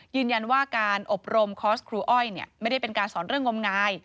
ยืนยันว่าการอบรมคอร์สครูอ้อยไม่ได้เป็นการสอนเรื่องงมงาย